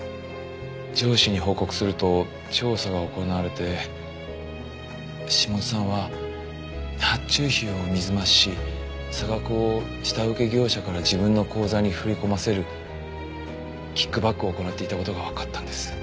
上司に報告すると調査が行われて下津さんは発注費を水増しし差額を下請け業者から自分の口座に振り込ませるキックバックを行っていた事がわかったんです。